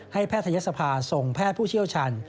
แพทยศภาส่งแพทย์ผู้เชี่ยวชัน